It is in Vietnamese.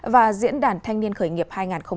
và diễn đàn thanh niên khởi nghiệp hai nghìn hai mươi bốn